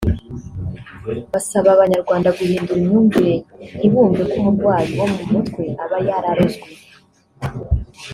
Basaba Abanyarwanda guhindura imyumvire ntibumve ko umurwayi wo mu mutwe aba yararozwe